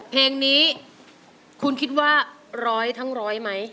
เพลงนี้คุณคิดว่าร้อยทั้งร้อยไหม